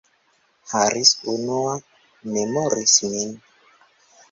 Harris, unua, memoris min.